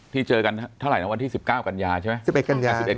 เจอกันเท่าไหร่นะวันที่๑๙กันยาใช่ไหม